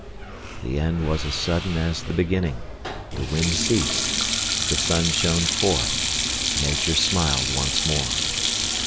The end was as sudden as the beginning. The wind ceased, the sun shone forth—nature smiled once more.